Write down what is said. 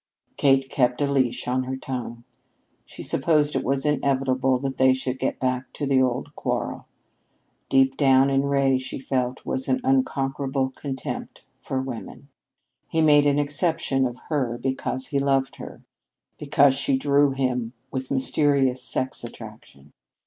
Kate kept a leash on her tongue. She supposed it was inevitable that they should get back to the old quarrel. Deep down in Ray, she felt, was an unconquerable contempt for women. He made an exception of her because he loved her; because she drew him with the mysterious sex attraction.